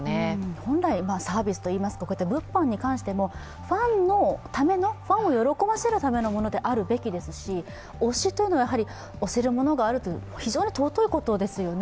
本来、サービスといいますか、物販に関してもファンのための、ファンを喜ばせるためのものであるべきですし、推しというのは、推せるものがあるという非常に尊いことですよね。